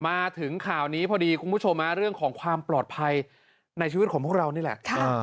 มาถึงข่าวนี้พอดีคุณผู้ชมเรื่องของความปลอดภัยในชีวิตของพวกเรานี่แหละ